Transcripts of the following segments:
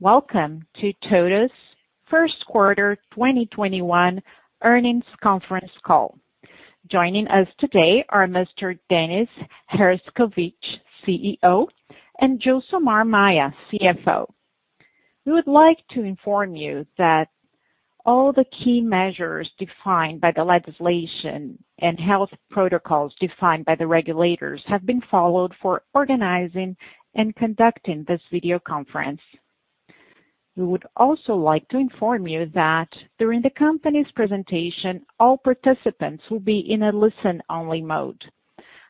Welcome to TOTVS Q1 2021 earnings conference call. Joining us today are Mr. Dennis Herszkowicz, CEO, and Gilsomar Maia, CFO. We would like to inform you that all the key measures defined by the legislation and health protocols defined by the regulators have been followed for organizing and conducting this video conference. We would also like to inform you that during the company's presentation, all participants will be in a listen-only mode.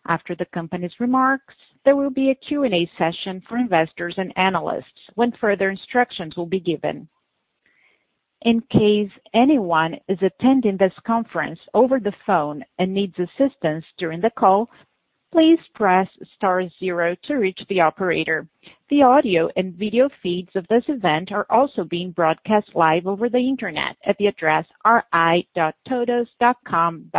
After the company's remarks, there will be a Q&A session for investors and analysts when further instructions will be given. In case anyone is attending this conference over the phone and needs assistance during the call, please press star zero to reach the operator. The audio and video feeds of this event are also being broadcast live over the Internet at the address ri.totvs.com.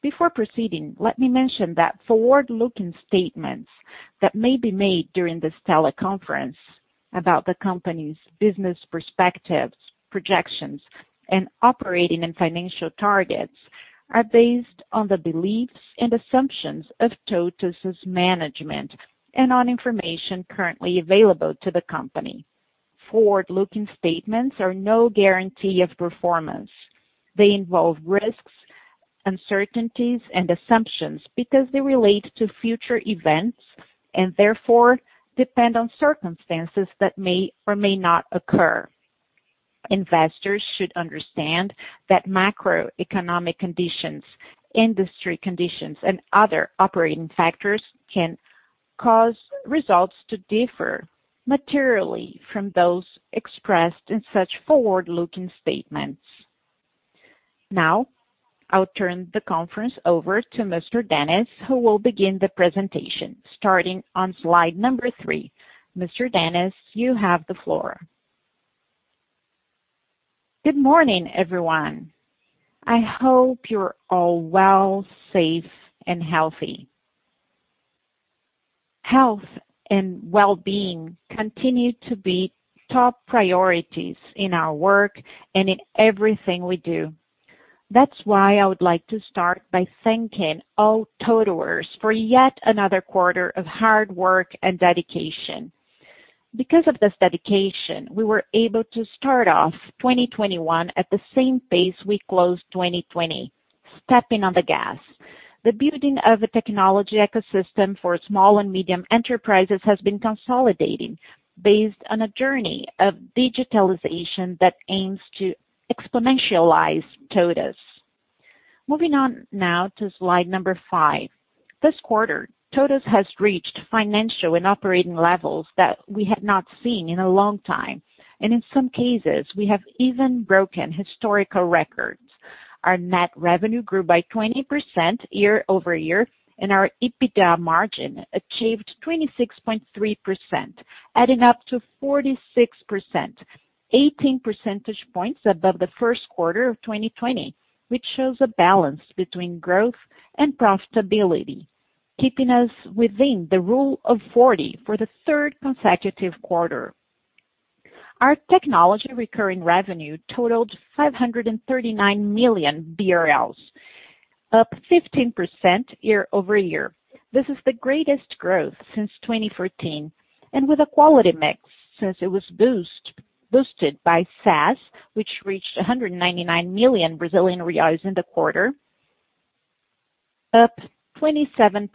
Before proceeding, let me mention that forward-looking statements that may be made during this teleconference about the company's business perspectives, projections, and operating and financial targets are based on the beliefs and assumptions of TOTVS's management and on information currently available to the company. Forward-looking statements are no guarantee of performance. They involve risks, uncertainties, and assumptions because they relate to future events and therefore depend on circumstances that may or may not occur. Investors should understand that macroeconomic conditions, industry conditions, and other operating factors can cause results to differ materially from those expressed in such forward-looking statements. Now, I'll turn the conference over to Mr. Dennis Herszkowicz, who will begin the presentation starting on slide number three. Mr. Dennis Herszkowicz, you have the floor. Good morning, everyone. I hope you're all well, safe and healthy. Health and well-being continue to be top priorities in our work and in everything we do. That's why I would like to start by thanking all TOTVERS for yet another quarter of hard work and dedication. Because of this dedication, we were able to start off 2021 at the same pace we closed 2020, stepping on the gas. The building of a technology ecosystem for small and medium enterprises has been consolidating based on a journey of digitalization that aims to exponentialize TOTVS. Moving on now to slide number five. This quarter, TOTVS has reached financial and operating levels that we had not seen in a long time, and in some cases, we have even broken historical records. Our net revenue grew by 20% quarter-over-quarter, and our EBITDA margin achieved 26.3%, adding up to 46%, 18 percentage points above the Q1 of 2020, which shows a balance between growth and profitability, keeping us within the Rule of 40 for the third consecutive quarter. Our technology recurring revenue totaled 539 million BRL, up 15% quarter-over-quarter. This is the greatest growth since 2014, and with a quality mix since it was boosted by SaaS, which reached 199 million Brazilian reais in the quarter, up 27%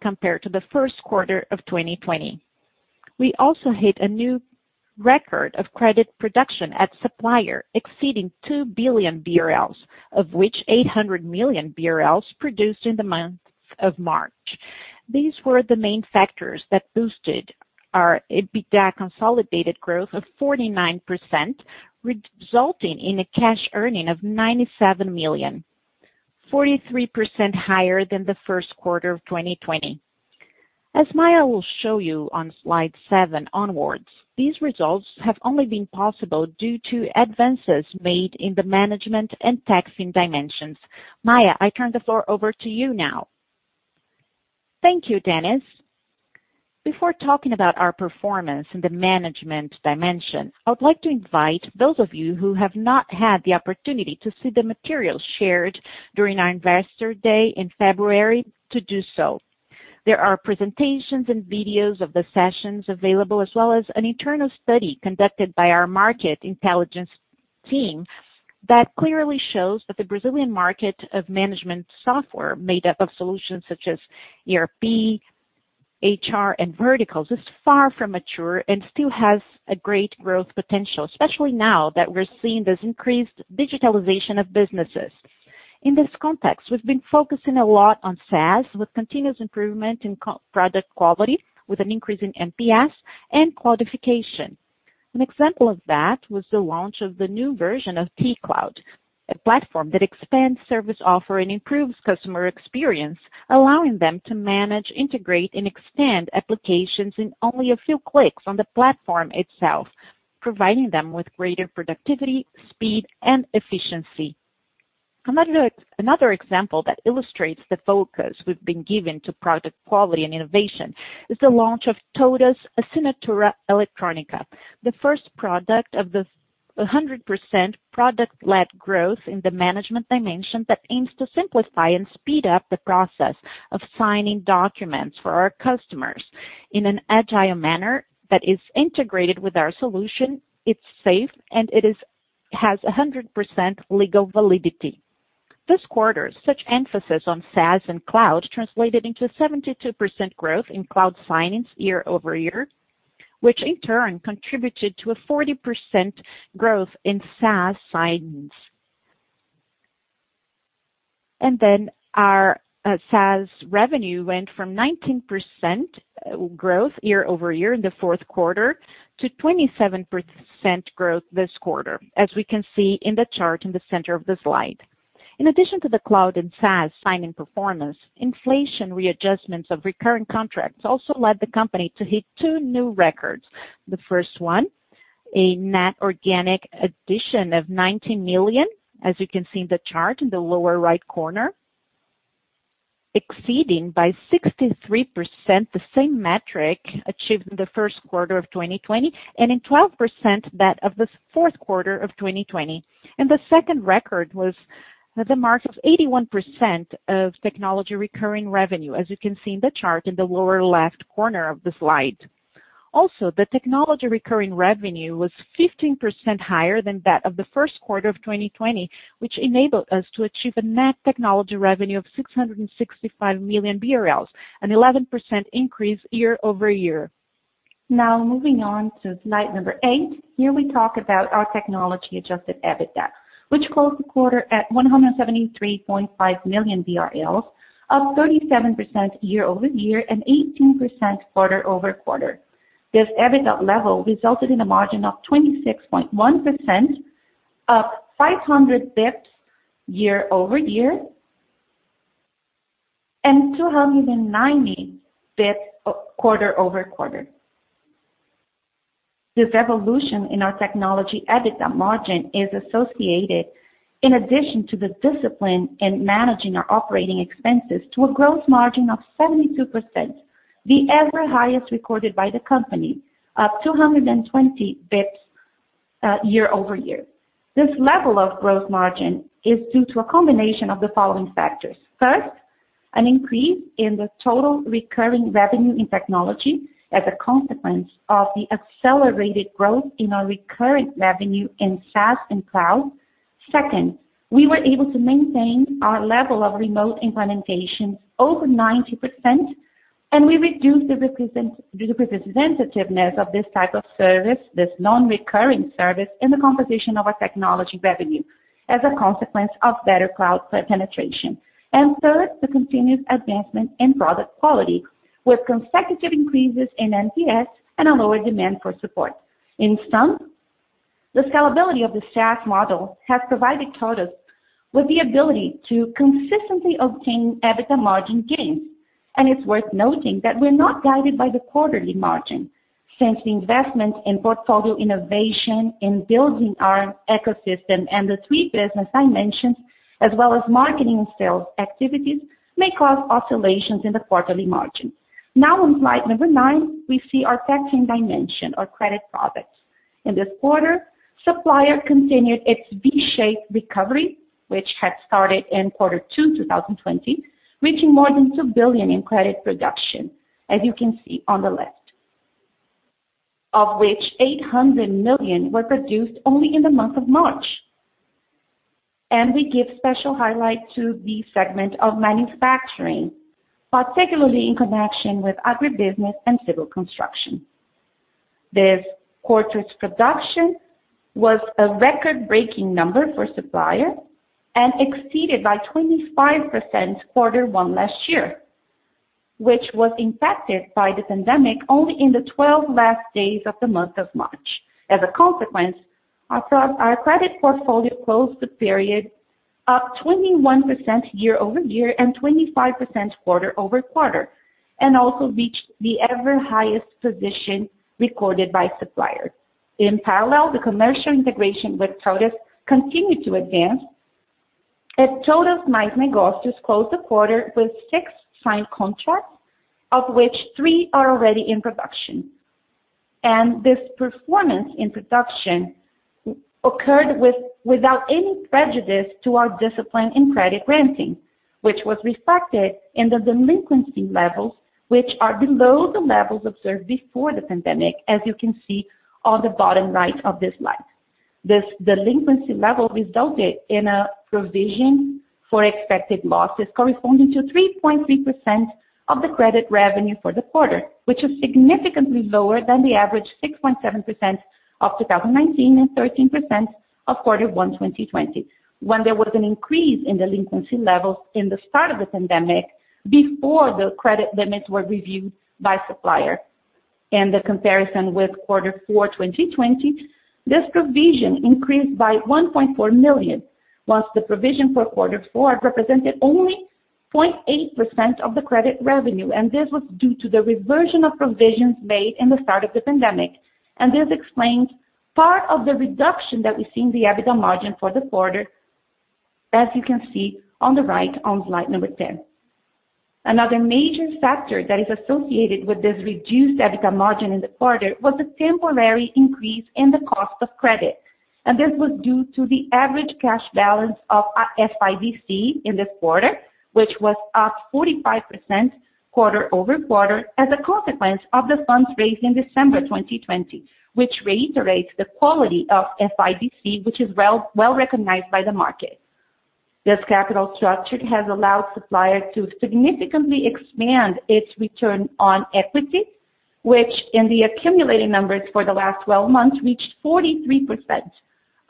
compared to the Q1 of 2020. We also hit a new record of credit production at Supplier exceeding 2 billion BRL, of which 800 million BRL produced in the month of March. These were the main factors that boosted our EBITDA consolidated growth of 49%, resulting in a cash earning of 97 million, 43% higher than the Q1 of 2020. As Maia will show you on slide seven onwards, these results have only been possible due to advances made in the management and Techfin dimensions. Maia, I turn the floor over to you now. Thank you, Dennis. Before talking about our performance in the management dimension, I would like to invite those of you who have not had the opportunity to see the materials shared during our Investor Day in February to do so. There are presentations and videos of the sessions available, as well as an internal study conducted by our market intelligence team that clearly shows that the Brazilian market of management software made up of solutions such as ERP, HR, and verticals is far from mature and still has a great growth potential, especially now that we're seeing this increased digitalization of businesses. In this context, we've been focusing a lot on SaaS with continuous improvement in product quality, with an increase in NPS and qualification. An example of that was the launch of the new version of T-Cloud, a platform that expands service offer and improves customer experience, allowing them to manage, integrate, and extend applications in only a few clicks on the platform itself, providing them with greater productivity, speed, and efficiency. Another example that illustrates the focus we've been giving to product quality and innovation is the launch of TOTVS Assinatura Eletrônica, the first product of the 100% Product-Led Growth in the management dimension that aims to simplify and speed up the process of signing documents for our customers in an agile manner that is integrated with our solution. It's safe and it has 100% legal validity. This quarter, such emphasis on SaaS and cloud translated into a 72% growth in cloud signings quarter-over-quarter, which in turn contributed to a 40% growth in SaaS signings. Our SaaS revenue went from 19% growth quarter-over-quarter in the Q4 to 27% growth this quarter, as we can see in the chart in the center of the slide. In addition to the cloud and SaaS signing performance, inflation readjustments of recurring contracts also led the company to hit two new records. The first one, a net organic addition of 19 million as you can see in the chart in the lower right corner, exceeding by 63% the same metric achieved in the Q1 of 2020, and in 12% that of the Q4 of 2020. The second record was the mark of 81% of technology recurring revenue, as you can see in the chart in the lower left corner of the slide. Also, the technology recurring revenue was 15% higher than that of the Q1 of 2020, which enabled us to achieve a net technology revenue of 665 million BRL, an 11% increase quarter-over-quarter. Now moving on to slide number eight. Here we talk about our technology adjusted EBITDA, which closed the quarter at 173.5 million BRL, up 37% quarter-over-quarter and 18% quarter-over-quarter. This EBITDA level resulted in a margin of 26.1%, up 500 basis points quarter-over-quarter and 290 basis points quarter-over-quarter. This evolution in our technology EBITDA margin is associated, in addition to the discipline in managing our operating expenses to a growth margin of 72%, the ever highest recorded by the company, up 220 basis points quarter-over-quarter. This level of growth margin is due to a combination of the following factors. First, an increase in the total recurring revenue in technology as a consequence of the accelerated growth in our recurring revenue in SaaS and cloud. Second, we were able to maintain our level of remote implementations over 90%, and we reduced the representativeness of this type of service, this non-recurring service, in the composition of our technology revenue as a consequence of better cloud penetration. Third, the continuous advancement in product quality, with consecutive increases in NPS and a lower demand for support. In sum, the scalability of the SaaS model has provided TOTVS with the ability to consistently obtain EBITDA margin gains. It's worth noting that we're not guided by the quarterly margin, since the investment in portfolio innovation, in building our ecosystem and the three business I mentioned, as well as marketing and sales activities may cause oscillations in the quarterly margin. Now in slide number nine, we see our Techfin dimension, our credit products. In this quarter, Supplier continued its V-shaped recovery, which had started in Q2 2020, reaching more than 2 billion in credit production, as you can see on the left, of which 800 million were produced only in the month of March. We give special highlight to the segment of manufacturing, particularly in connection with agribusiness and civil construction. This quarter's production was a record-breaking number for Supplier and exceeded by 25% quarter 1 last year, which was impacted by the pandemic only in the 12 last days of the month of March. As a consequence, our credit portfolio closed the period up 21% quarter-over-quarter and 25% quarter-over-quarter, and also reached the highest ever position recorded by Supplier. In parallel, the commercial integration with TOTVS continued to advance as TOTVS Mais Negócios closed the quarter with six signed contracts, of which three are already in production. This performance in production occurred without any prejudice to our discipline in credit granting, which was reflected in the delinquency levels, which are below the levels observed before the pandemic, as you can see on the bottom right of this slide. This delinquency level resulted in a provision for expected losses corresponding to 3.3% of the credit revenue for the quarter, which is significantly lower than the average 6.7% of 2019 and 13% of Q1 2020, when there was an increase in delinquency levels in the start of the pandemic before the credit limits were reviewed by Supplier. The comparison with Q4 2020, this provision increased by 1.4 million, while the provision for Q4 represented only 0.8% of the credit revenue, and this was due to the reversion of provisions made in the start of the pandemic. This explains part of the reduction that we see in the EBITDA margin for the quarter, as you can see on the right on slide 10. Another major factor that is associated with this reduced EBITDA margin in the quarter was a temporary increase in the cost of credit. This was due to the average cash balance of FIDC in this quarter, which was up 45% quarter-over-quarter as a consequence of the funds raised in December 2020, which reiterates the quality of FIDC, which is well-recognized by the market. This capital structure has allowed Supplier to significantly expand its return on equity, which in the accumulating numbers for the last twelve months, reached 43%,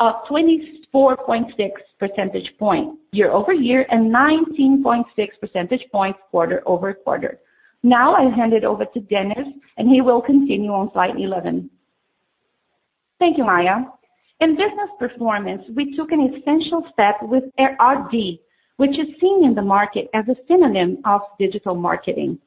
up 24.6 percentage points quarter-over-quarter and 19.6 percentage points quarter-over-quarter. Now I hand it over to Dennis, and he will continue on slide 11. Thank you, Maia. In business performance, we took an essential step with RD Station, which is seen in the market as a synonym of digital marketing.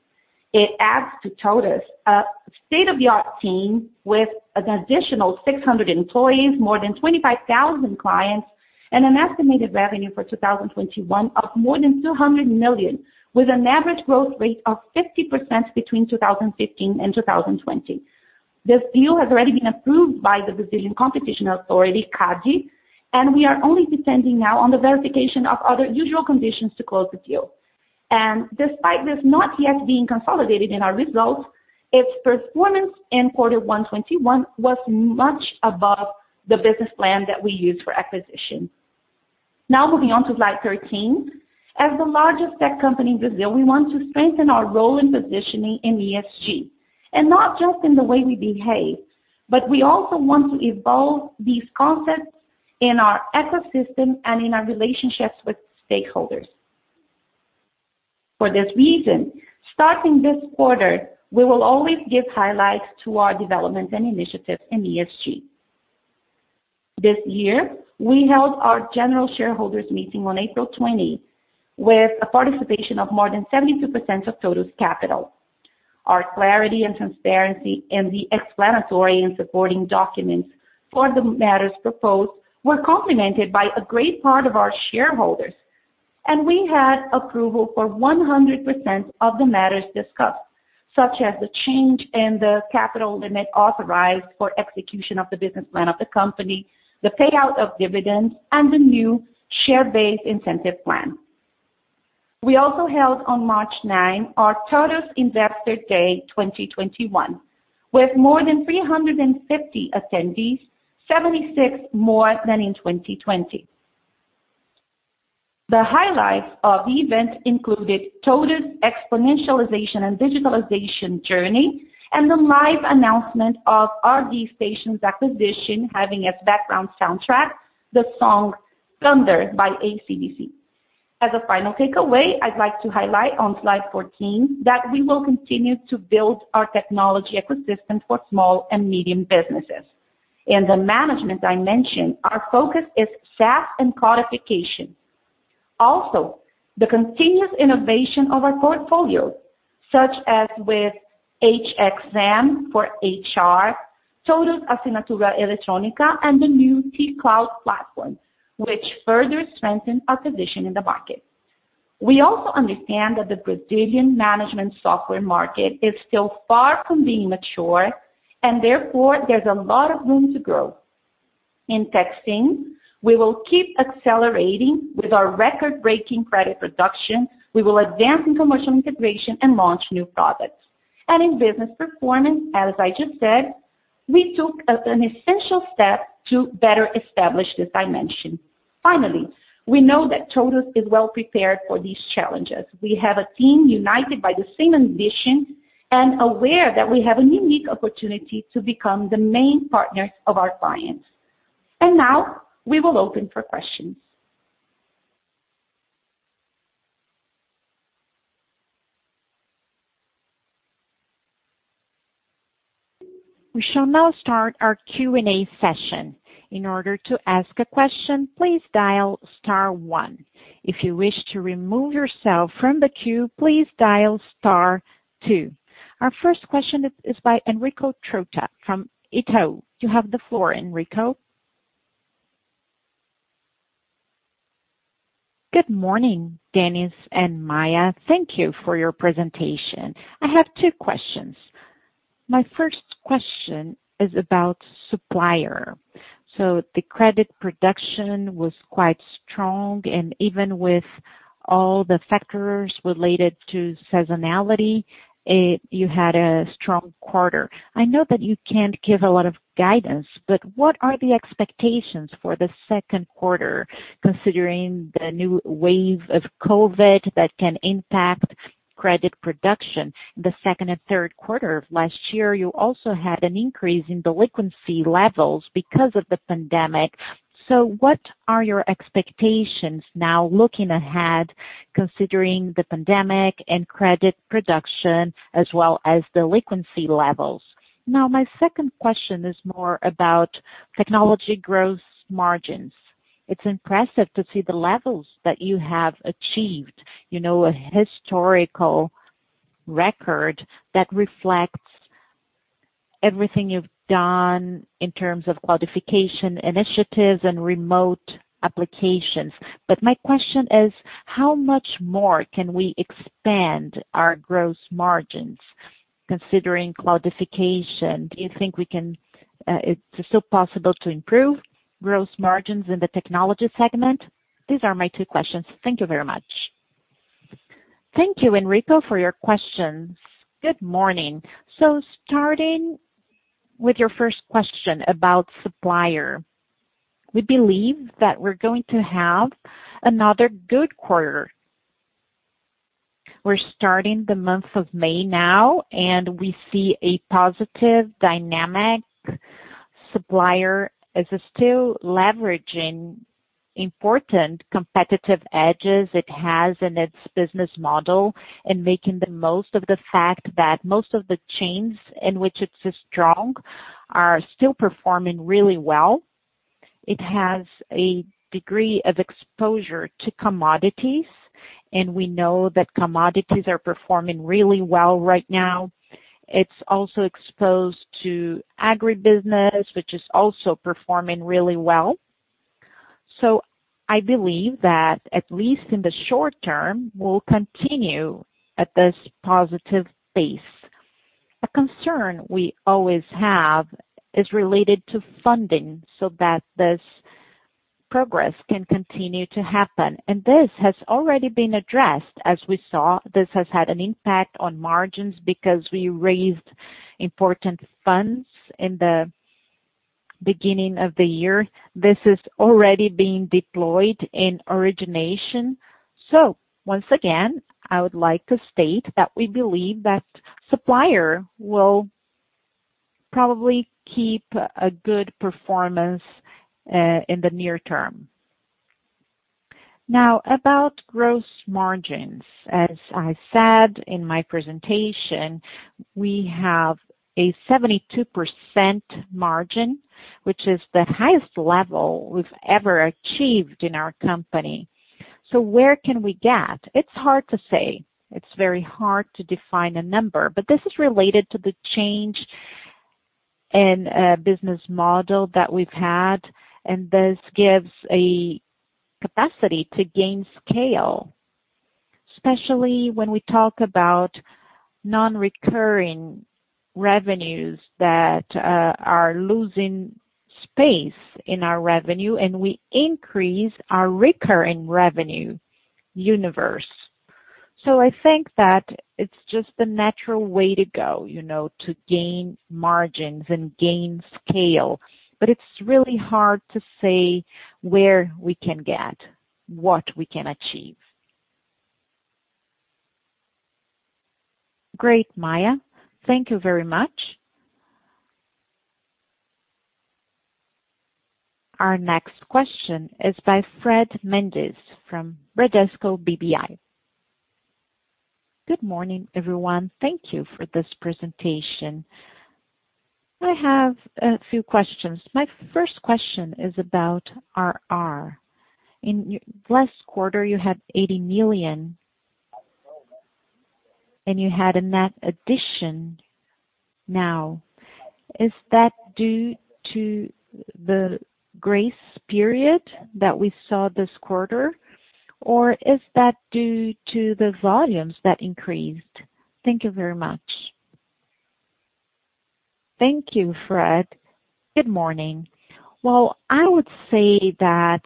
It adds to TOTVS a state-of-the-art team with an additional 600 employees, more than 25,000 clients, and an estimated revenue for 2021 of more than 200 million, with an average growth rate of 50% between 2015 and 2020. This deal has already been approved by the Brazilian Competition Authority, CADE, and we are only depending now on the verification of other usual conditions to close the deal. Despite this not yet being consolidated in our results, its performance in quarter 1 2021 was much above the business plan that we used for acquisition. Now moving on to slide 13. As the largest tech company in Brazil, we want to strengthen our role in positioning in ESG. Not just in the way we behave, but we also want to evolve these concepts in our ecosystem and in our relationships with stakeholders. For this reason, starting this quarter, we will always give highlights to our development and initiatives in ESG. This year, we held our general shareholders meeting on April 20, with a participation of more than 72% of TOTVS's capital. Our clarity and transparency and the explanatory and supporting documents for the matters proposed were complemented by a great part of our shareholders, and we had approval for 100% of the matters discussed, such as the change in the capital limit authorized for execution of the business plan of the company, the payout of dividends, and the new share-based incentive plan. We also held on March 9 our TOTVS Investor Day 2021, with more than 350 attendees, 76 more than in 2020. The highlights of the event included TOTVS' exponentialization and digitalization journey and the live announcement of RD Station's acquisition having as background soundtrack the song Thunderstruck by AC/DC. As a final takeaway, I'd like to highlight on slide 14 that we will continue to build our technology ecosystem for small and medium businesses. In the management dimension, our focus is SaaS and productification. Also, the continuous innovation of our portfolio, such as with HCM for HR, TOTVS Assinatura Eletrônica, and the new T-Cloud platform, which further strengthen our position in the market. We also understand that the Brazilian management software market is still far from being mature, and therefore there's a lot of room to grow. In Techfin, we will keep accelerating with our record-breaking credit production. We will advance in commercial integration and launch new products. In business performance, as I just said, we took an essential step to better establish this dimension. Finally, we know that TOTVS is well prepared for these challenges. We have a team united by the same ambition and aware that we have a unique opportunity to become the main partners of our clients. Now we will open for questions. We shall now start our Q&A session. Our first question is by Enrico Trotta from Itaú. You have the floor, Enrico. Good morning, Dennis and Maia. Thank you for your presentation. I have two questions. My first question is about Supplier. The credit production was quite strong, and even with all the factors related to seasonality, you had a strong quarter. I know that you can't give a lot of guidance, but what are the expectations for the Q2, considering the new wave of COVID that can impact credit production? The second and Q3 of last year, you also had an increase in delinquency levels because of the pandemic. What are your expectations now looking ahead, considering the pandemic and credit production as well as delinquency levels? Now my second question is more about technology growth margins. It's impressive to see the levels that you have achieved, you know, a historical record that reflects everything you've done in terms of cloudification initiatives and remote applications. But my question is, how much more can we expand our gross margins considering cloudification? Do you think it's still possible to improve gross margins in the technology segment? These are my two questions. Thank you very much. Thank you, Enrico, for your questions. Good morning. Starting with your first question about Supplier. We believe that we're going to have another good quarter. We're starting the month of May now, and we see a positive dynamic. Supplier is still leveraging important competitive edges it has in its business model and making the most of the fact that most of the chains in which it is strong are still performing really well. It has a degree of exposure to commodities, and we know that commodities are performing really well right now. It's also exposed to agribusiness, which is also performing really well. I believe that at least in the short term, we'll continue at this positive pace. A concern we always have is related to funding so that this progress can continue to happen. This has already been addressed. As we saw, this has had an impact on margins because we raised important funds in the beginning of the year. This is already being deployed in origination. Once again, I would like to state that we believe that Supplier will probably keep a good performance in the near term. Now about gross margins. As I said in my presentation, we have a 72% margin, which is the highest level we've ever achieved in our company. Where can we get? It's hard to say. It's very hard to define a number, but this is related to the change in business model that we've had, and this gives a capacity to gain scale, especially when we talk about non-recurring revenues that are losing space in our revenue, and we increase our recurring revenue universe. I think that it's just the natural way to go, you know, to gain margins and gain scale. But it's really hard to say where we can get, what we can achieve. Great, Maia. Thank you very much. Our next question is by Fred Mendes from Bradesco BBI. Good morning, everyone. Thank you for this presentation. I have a few questions. My first question is about ARR. In the last quarter, you had 80 million, and you had a net addition now. Is that due to the grace period that we saw this quarter, or is that due to the volumes that increased? Thank you very much. Thank you, Fred. Good morning. Well, I would say that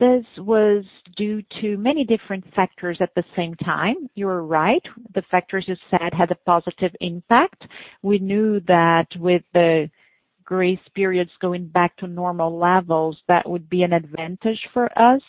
this was due to many different factors at the same time. You're right. The factors you said had a positive impact. We knew that with the grace periods going back to normal levels, that would be an advantage for us.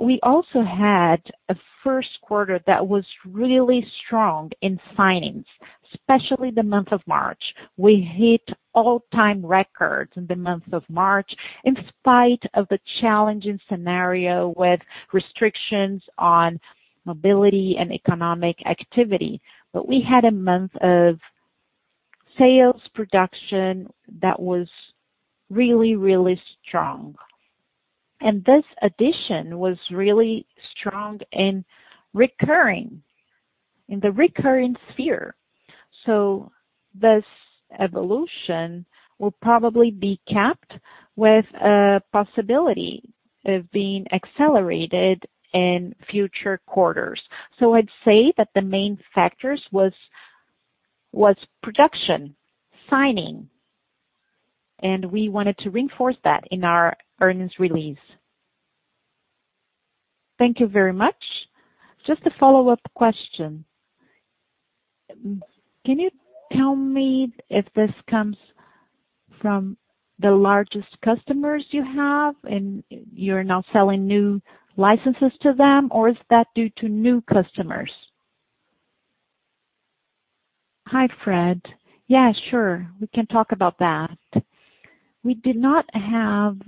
We also had a Q1 that was really strong in signings, especially the month of March. We hit all-time records in the month of March in spite of the challenging scenario with restrictions on mobility and economic activity. We had a month of sales production that was really, really strong. This addition was really strong and recurring in the recurring sphere. This evolution will probably be capped with a possibility of being accelerated in future quarters. I'd say that the main factors was production, signing, and we wanted to reinforce that in our earnings release. Thank you very much. Just a follow-up question. Can you tell me if this comes from the largest customers you have and you're now selling new licenses to them, or is that due to new customers? Hi, Fred. Yeah, sure. We can talk about that. We did not have,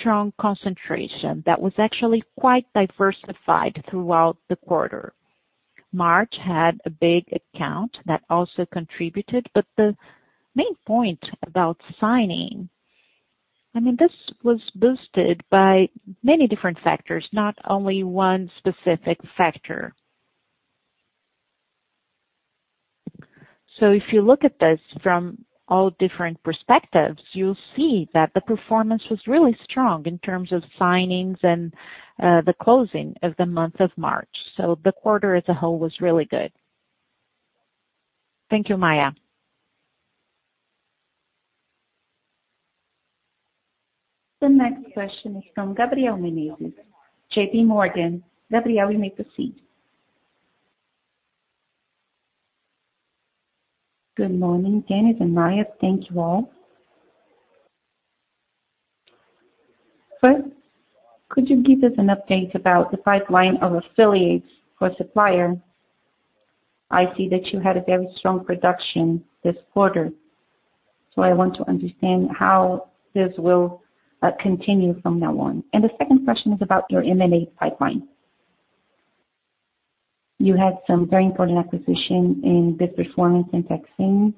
Strong concentration that was actually quite diversified throughout the quarter. March had a big account that also contributed. The main point about signing, I mean, this was boosted by many different factors, not only one specific factor. If you look at this from all different perspectives, you'll see that the performance was really strong in terms of signings and the closing of the month of March. The quarter as a whole was really good. Thank you, Maia. The next question is from Gabriela Menezes, J.P. Morgan. Gabriela, you may proceed. Good morning, Dennis and Maia. Thank you all. First, could you give us an update about the pipeline of affiliates for Supplier? I see that you had a very strong production this quarter, so I want to understand how this will continue from now on. The second question is about your M&A pipeline. You had some very important acquisition in this performance in taxing.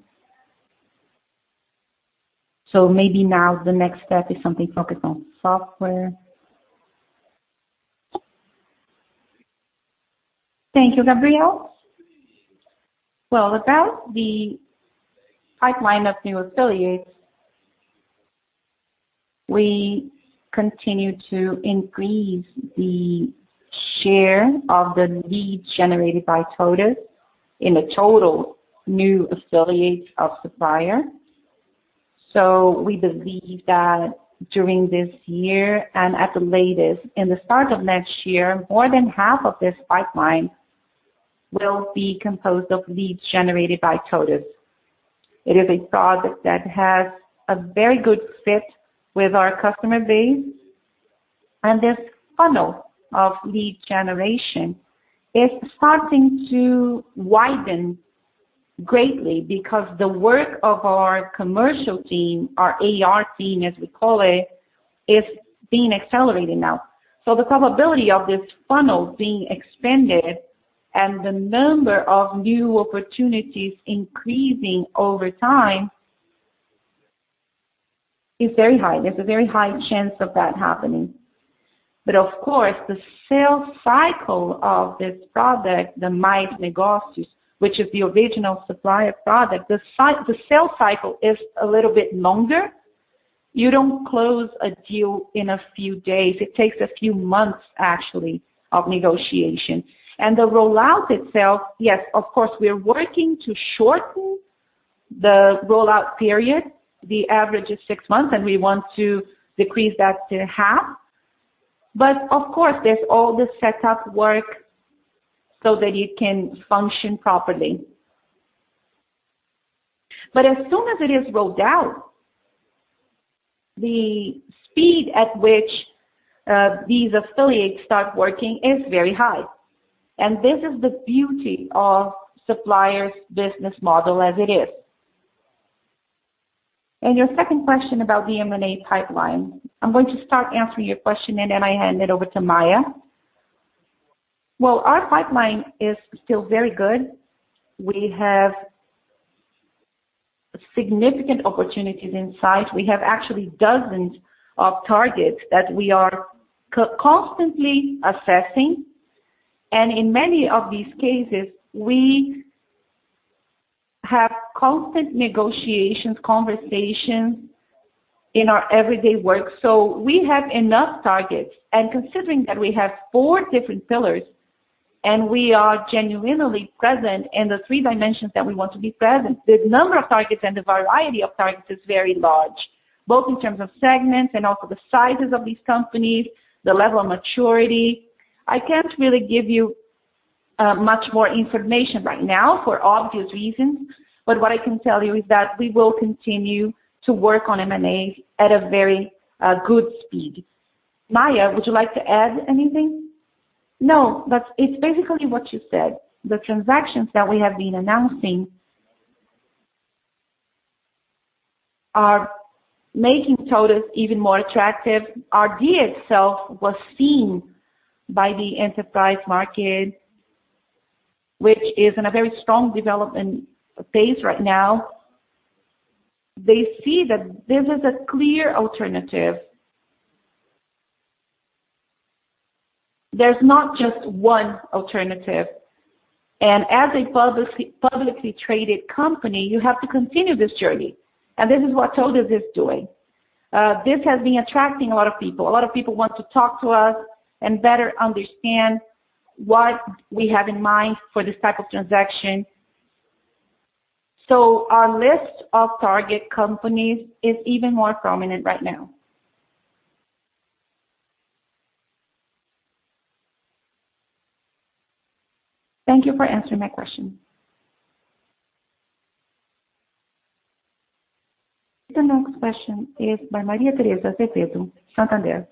Maybe now the next step is something focused on software. Thank you, Gabrielle. Well, about the pipeline of new affiliates, we continue to increase the share of the leads generated by TOTVS in the total new affiliates of Supplier. We believe that during this year and at the latest in the start of next year, more than half of this pipeline will be composed of leads generated by TOTVS. It is a product that has a very good fit with our customer base. This funnel of lead generation is starting to widen greatly because the work of our commercial team, our AR team, as we call it, is being accelerated now. The probability of this funnel being expanded and the number of new opportunities increasing over time is very high. There's a very high chance of that happening. Of course, the sales cycle of this product, the Mais Negócios, which is the original Supplier product, the sell cycle is a little bit longer. You don't close a deal in a few days. It takes a few months, actually, of negotiation. The rollout itself, yes, of course, we are working to shorten the rollout period. The average is six months, and we want to decrease that to half. Of course, there's all this set up work so that you can function properly. As soon as it is rolled out, the speed at which these affiliates start working is very high. This is the beauty of Supplier's business model as it is. Your second question about the M&A pipeline. I'm going to start answering your question, and then I hand it over to Maia. Well, our pipeline is still very good. We have significant opportunities in size. We have actually dozens of targets that we are constantly assessing. In many of these cases, we have constant negotiations, conversations in our everyday work. We have enough targets. Considering that we have four different pillars and we are genuinely present in the three dimensions that we want to be present, the number of targets and the variety of targets is very large, both in terms of segments and also the sizes of these companies, the level of maturity. I can't really give you much more information right now for obvious reasons, but what I can tell you is that we will continue to work on M&A at a very good speed. Maia, would you like to add anything? No, that's. It's basically what you said. The transactions that we have been announcing are making TOTVS even more attractive. Our deal itself was seen by the enterprise market, which is in a very strong development phase right now. They see that this is a clear alternative. There's not just one alternative. As a publicly traded company, you have to continue this journey, and this is what TOTVS is doing. This has been attracting a lot of people. A lot of people want to talk to us and better understand what we have in mind for this type of transaction. So our list of target companies is even more prominent right now. Thank you for answering my question. The next question is by Maria Teresa Azevedo, Santander.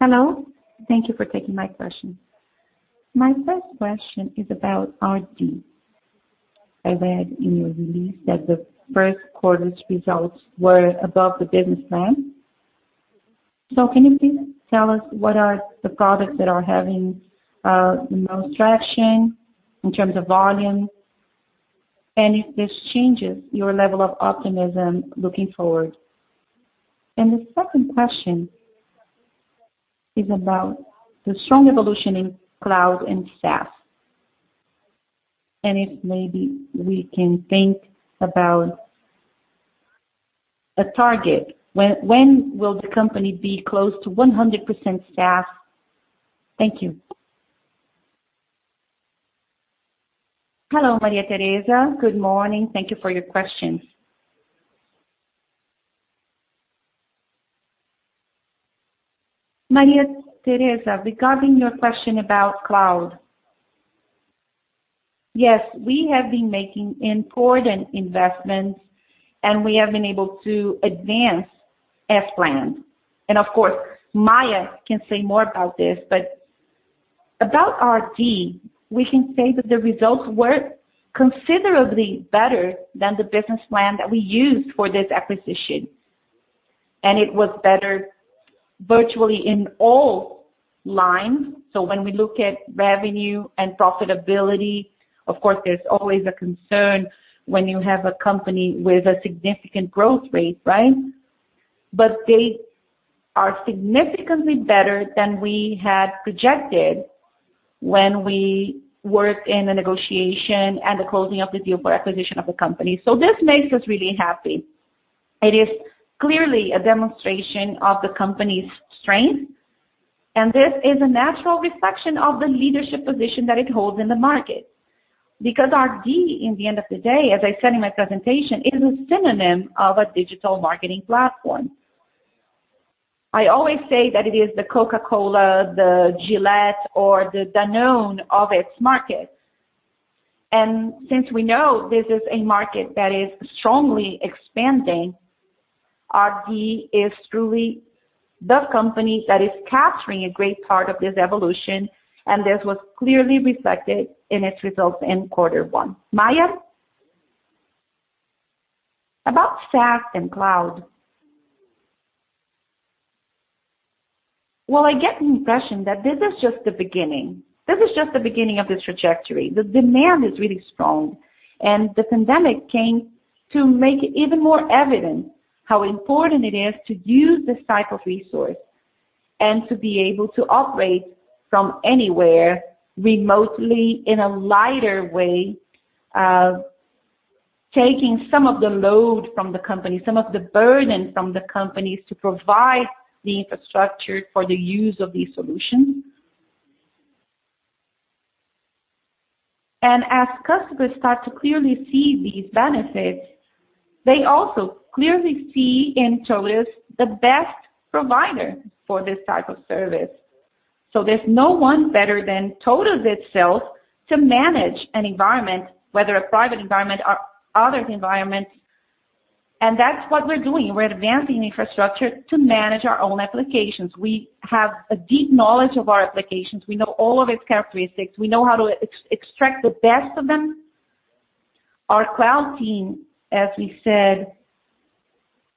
Hello. Thank you for taking my question. My first question is about RD. I read in your release that the Q1's results were above the business plan. Can you please tell us what are the products that are having the most traction in terms of volume and if this changes your level of optimism looking forward? The second question is about the strong evolution in cloud and SaaS and if maybe we can think about a target, when will the company be close to 100% SaaS? Thank you. Hello, Maria Teresa. Good morning. Thank you for your questions. Maria Teresa, regarding your question about cloud. Yes, we have been making important investments, and we have been able to advance as planned. Of course, Maia can say more about this, but about RD, we can say that the results were considerably better than the business plan that we used for this acquisition. It was better virtually in all lines. When we look at revenue and profitability, of course, there's always a concern when you have a company with a significant growth rate, right? They are significantly better than we had projected when we worked in the negotiation and the closing of the deal for acquisition of the company. This makes us really happy. It is clearly a demonstration of the company's strength, and this is a natural reflection of the leadership position that it holds in the market. Because RD, in the end of the day, as I said in my presentation, is a synonym of a digital marketing platform. I always say that it is the Coca-Cola, the Gillette, or the Danone of its market. Since we know this is a market that is strongly expanding, RD is truly the company that is capturing a great part of this evolution, and this was clearly reflected in its results in quarter one. Maia. About SaaS and cloud. Well, I get the impression that this is just the beginning. This is just the beginning of this trajectory. The demand is really strong, and the pandemic came to make it even more evident how important it is to use this type of resource and to be able to operate from anywhere remotely in a lighter way, taking some of the load from the company, some of the burden from the companies to provide the infrastructure for the use of these solutions. As customers start to clearly see these benefits, they also clearly see in TOTVS the best provider for this type of service. There's no one better than TOTVS itself to manage an environment, whether a private environment or other environments. That's what we're doing. We're advancing infrastructure to manage our own applications. We have a deep knowledge of our applications. We know all of its characteristics. We know how to extract the best of them. Our cloud team, as we said,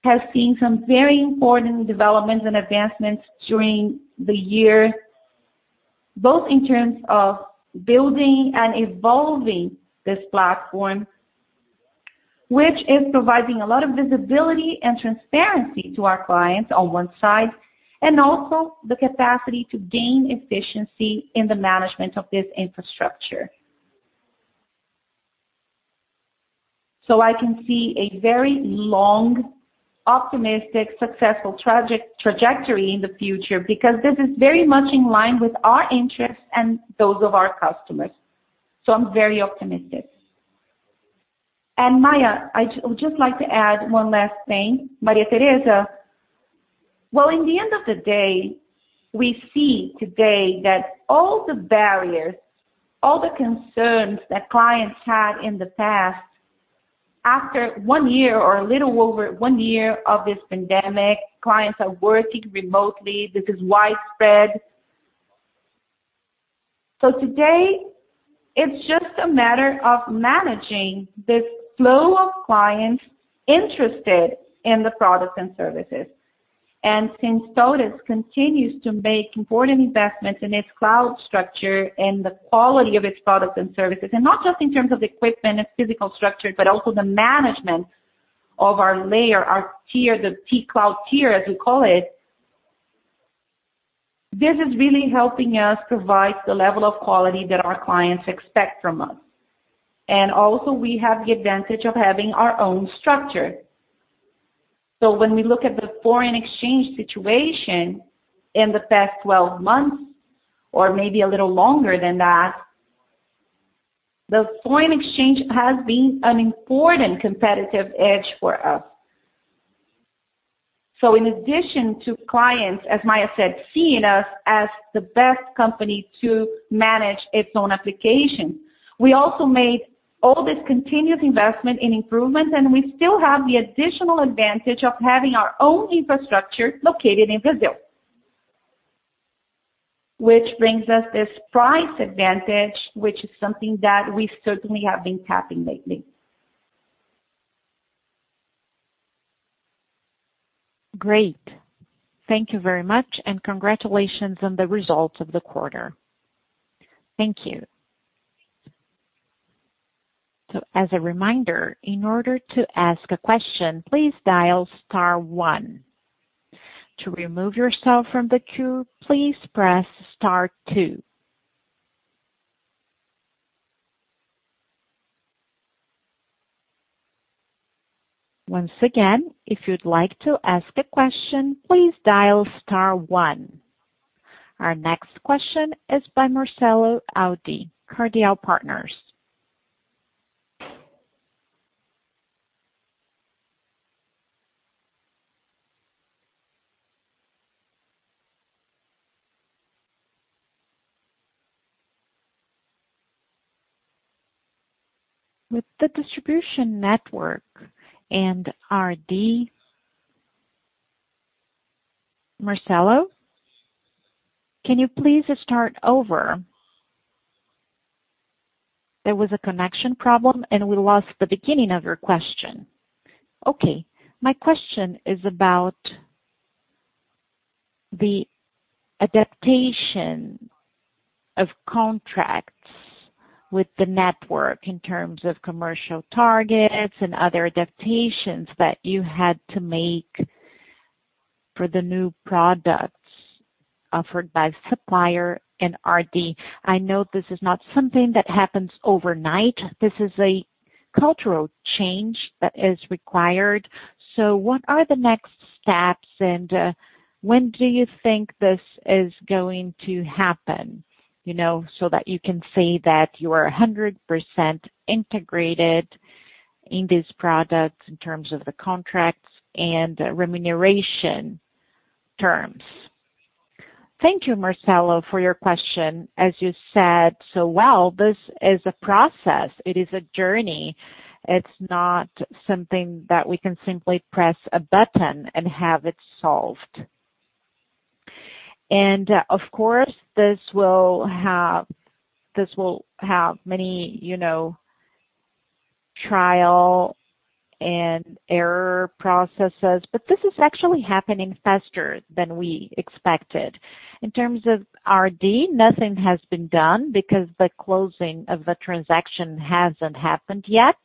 has seen some very important developments and advancements during the year, both in terms of building and evolving this platform, which is providing a lot of visibility and transparency to our clients on one side, and also the capacity to gain efficiency in the management of this infrastructure. I can see a very long, optimistic, successful trajectory in the future because this is very much in line with our interests and those of our customers. I'm very optimistic. Maia, I would just like to add one last thing. Maria Teresa. Well, at the end of the day, we see today that all the barriers, all the concerns that clients had in the past, after one year or a little over one year of this pandemic, clients are working remotely. This is widespread. Today, it's just a matter of managing this flow of clients interested in the products and services. Since TOTVS continues to make important investments in its cloud structure and the quality of its products and services, and not just in terms of equipment and physical structure, but also the management of our layer, our tier, the T-Cloud tier, as we call it. This is really helping us provide the level of quality that our clients expect from us. Also, we have the advantage of having our own structure. When we look at the foreign exchange situation in the past 12 months or maybe a little longer than that, the foreign exchange has been an important competitive edge for us. In addition to clients, as Maia said, seeing us as the best company to manage its own application, we also made All this continuous investment in improvements, and we still have the additional advantage of having our own infrastructure located in Brazil. Which brings us this price advantage, which is something that we certainly have been tapping lately. Great. Thank you very much, and congratulations on the results of the quarter. Thank you. Our next question is by Marcelo Audi, Cardeal Partners. With the distribution network and RD... Marcelo, can you please start over? There was a connection problem, and we lost the beginning of your question. Okay. My question is about the adaptation of contracts with the network in terms of commercial targets and other adaptations that you had to make for the new products offered by Supplier and RD. I know this is not something that happens overnight. This is a cultural change that is required. What are the next steps, and, when do you think this is going to happen? You know, so that you can say that you are 100% integrated in these products in terms of the contracts and remuneration terms. Thank you, Marcelo, for your question. As you said so well, this is a process. It is a journey. It's not something that we can simply press a button and have it solved. Of course, this will have many, you know, trial and error processes. This is actually happening faster than we expected. In terms of RD, nothing has been done because the closing of the transaction hasn't happened yet.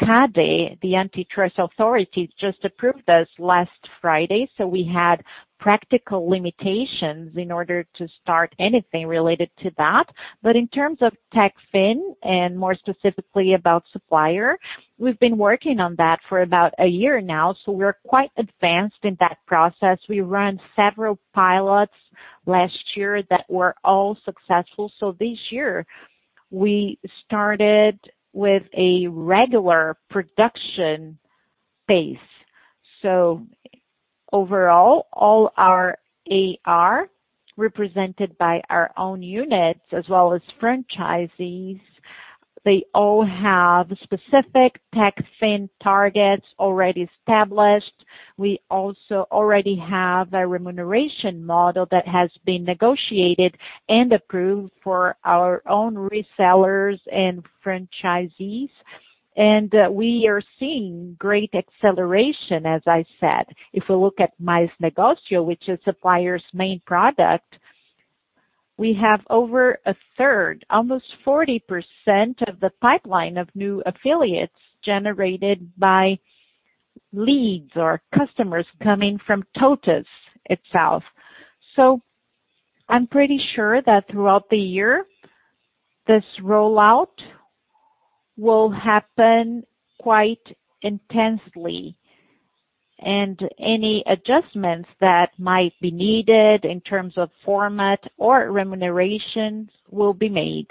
CADE, the antitrust authorities, just approved this last Friday, so we had practical limitations in order to start anything related to that. In terms of Techfin, and more specifically about Supplier, we've been working on that for about a year now, so we're quite advanced in that process. We ran several pilots last year that were all successful. This year, we started with a regular production base. Overall, all our AR, represented by our own units as well as franchisees, they all have specific Techfin targets already established. We also already have a remuneration model that has been negotiated and approved for our own resellers and franchisees. We are seeing great acceleration, as I said. If we look at Mais Negócios, which is Supplier's main product, we have over 1/3, almost 40% of the pipeline of new affiliates generated by leads or customers coming from TOTVS itself. I'm pretty sure that throughout the year, this rollout will happen quite intensely. Any adjustments that might be needed in terms of format or remunerations will be made.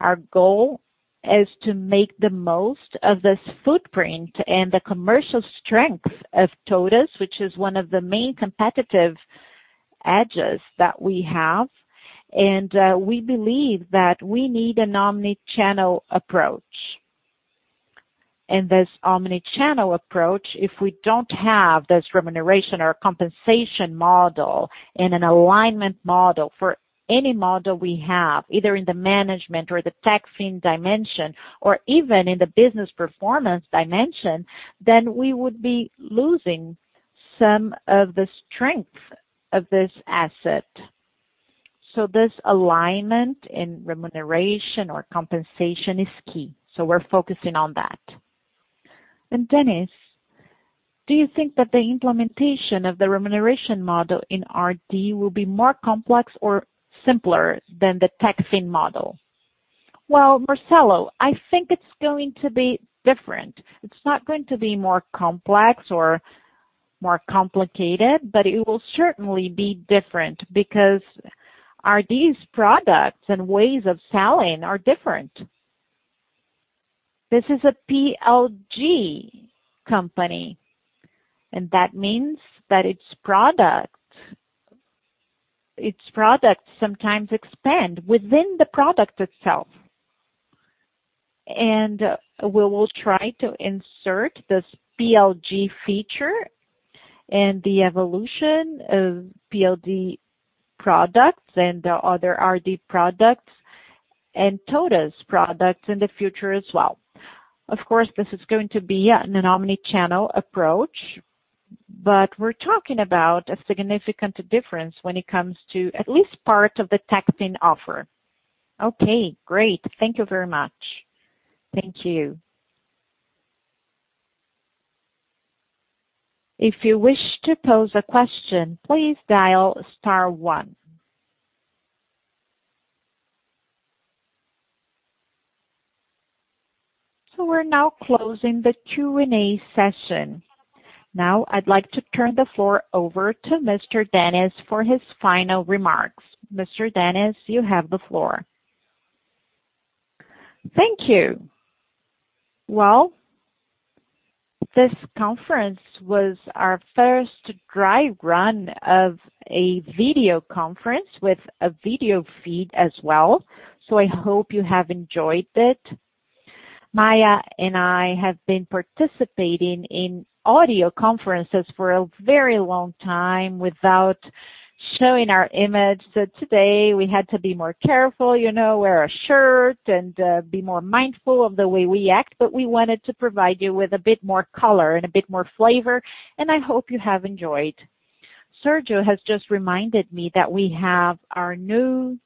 Our goal is to make the most of this footprint and the commercial strength of TOTVS, which is one of the main competitive edges that we have. We believe that we need an omni-channel approach. This omni-channel approach, if we don't have this remuneration or compensation model and an alignment model for any model we have, either in the management or the Techfin dimension or even in the business performance dimension, then we would be losing some of the strength of this asset. This alignment in remuneration or compensation is key. We're focusing on that. Dennis, do you think that the implementation of the remuneration model in RD will be more complex or simpler than the Techfin model? Well, Marcelo, I think it's going to be different. It's not going to be more complex or more complicated, but it will certainly be different because RD's products and ways of selling are different. This is a PLG company, and that means that its products sometimes expand within the product itself. We will try to insert this PLG feature and the evolution of PLG products and other RD products and TOTVS products in the future as well. Of course, this is going to be an omni-channel approach, but we're talking about a significant difference when it comes to at least part of the targeting offer. Okay, great. Thank you very much. Thank you. We're now closing the Q&A session. Now I'd like to turn the floor over to Mr. Dennis for his final remarks. Mr. Dennis, you have the floor. Thank you. Well, this conference was our first dry run of a video conference with a video feed as well, so I hope you have enjoyed it. Maia and I have been participating in audio conferences for a very long time without showing our image. Today we had to be more careful, you know, wear a shirt and, be more mindful of the way we act. But we wanted to provide you with a bit more color and a bit more flavor, and I hope you have enjoyed. Sergio has just reminded me that we have our new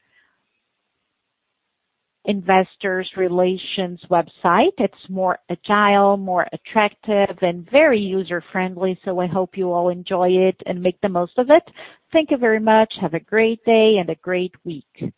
investor relations website. It's more agile, more attractive and very user-friendly, so I hope you all enjoy it and make the most of it. Thank you very much. Have a great day and a great week.